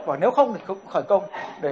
và nếu không thì không khởi công